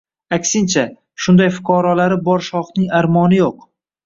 – Aksincha, shunday fuqarolari bor shohning armoni yo‘q.